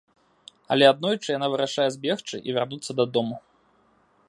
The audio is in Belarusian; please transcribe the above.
Але аднойчы яна вырашае збегчы і вярнуцца дадому.